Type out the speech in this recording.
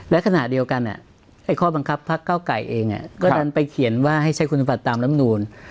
และขณะเดียวกันข้อบังคับพักเก้าไก่เองก็ดันไปเขียนว่าให้ใช้คุณบัตรตามลำนูน